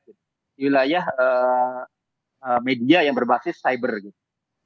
di wilayah media yang berbasis cyber gitu